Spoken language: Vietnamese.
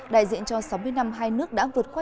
đại diện cho sáu mươi năm hai nước đã vượt qua